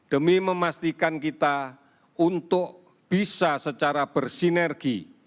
demi memastikan kita untuk bisa secara bersinergi